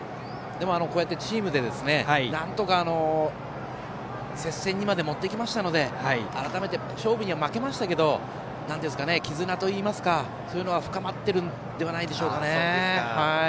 でも、チームでなんとか接戦にまで持っていきましたので改めて勝負には負けましたが絆といいますかそういうのは深まってるんじゃないでしょうか。